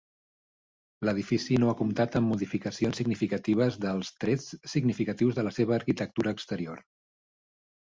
L'edifici no ha comptat amb modificacions significatives dels trets significatius de la seva arquitectura exterior.